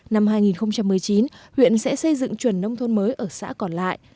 năm hai nghìn một mươi chín huyện sẽ xây dựng chuẩn nông thôn mới ở xã còn lại